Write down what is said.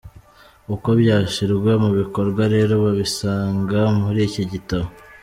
Uko byashyirwa mu bikorwa rero, babisanga muri iki gitabo.